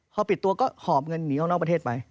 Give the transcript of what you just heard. พอปิดตัวก็หอบเงินหนีออกนอกประเทศไป